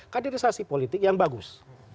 kaderisasi politik yang bagus